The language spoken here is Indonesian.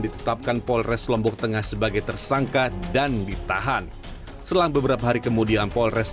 ditetapkan polres lombok tengah sebagai tersangka dan ditahan selang beberapa hari kemudian polres